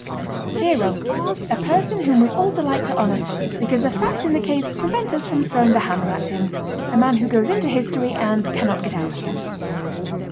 HERO. A person whom we all delight to honor because the facts in the case prevent us from throwing the hammer at him. A man who goes into history and cannot get out again.